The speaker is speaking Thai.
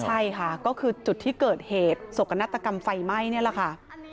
ใช่ค่ะก็คือจุดที่เกิดเหตุสกนาฏกรรมไฟไหม้นี่แหละค่ะ